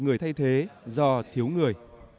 người thay thế do thiếu người